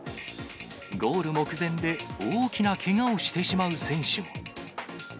ゴール目前で大きなけがをしてしまう選手も。